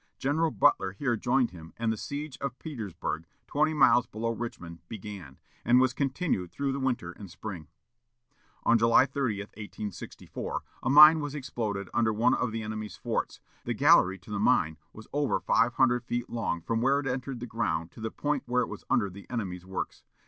General Butler here joined him, and the siege of Petersburg, twenty miles below Richmond, began, and was continued through the winter and spring. On July 30, 1864, a mine was exploded under one of the enemy's forts. The gallery to the mine was over five hundred feet long from where it entered the ground to the point where it was under the enemy's works.